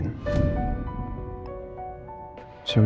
saya udah berusaha mencari kamu